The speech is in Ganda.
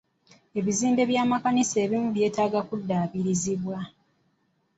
Ebizimbe by'amakanisa ebimu byetaaga kuddaabirizibwa.